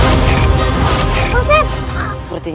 aku bukan masa yang merupakan